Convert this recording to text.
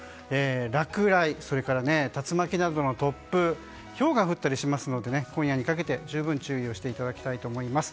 落雷、それから竜巻などの突風ひょうが降ったりしますので今夜にかけて十分注意していただきたいと思います。